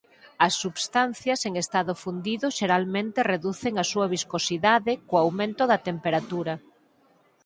As substancias en estado fundido xeralmente reducen a súa viscosidade co aumento da temperatura.